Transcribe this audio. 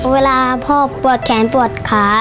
เวลาพ่อปวดแขนปวดขา